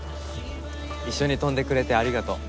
一緒に飛んでくれてありがとう。